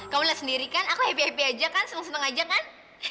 kamu lihat sendiri kan aku happy happy aja kan seneng seneng aja kan